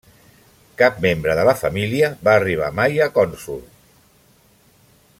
Cap membre de la família va arribar mai a cònsol.